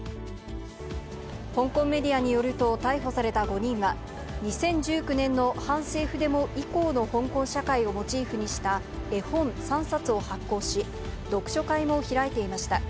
香港メディアによると、逮捕された５人は、２０１９年の反政府デモ以降の香港社会をモチーフにした絵本３冊を発行し、読書会も開いていました。